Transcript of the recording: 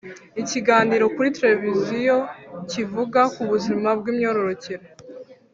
ikiganiro kuri televiziyo kivuga ku buzima bw’imyororokere,